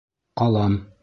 Ҡалам.